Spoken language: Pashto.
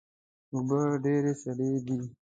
اوبه ډیرې سړې دي